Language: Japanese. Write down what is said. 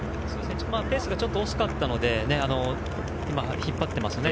ペースがちょっと遅かったので今、引っ張ってますね。